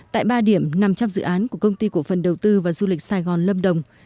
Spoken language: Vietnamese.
tại ba điểm nằm trong dự án của công ty cổ phần đầu tư và du lịch sài gòn lâm đồng